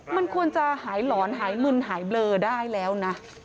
มันควรจะหายหลอนหายมึนหายเบลอได้แล้วนะ